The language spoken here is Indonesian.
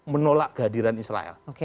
menolak kehadiran israel